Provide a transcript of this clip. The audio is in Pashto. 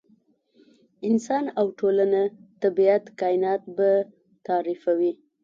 انسان او ټولنه، طبیعت، کاینات به تعریفوي.